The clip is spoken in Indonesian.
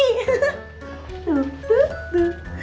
tuh tuh tuh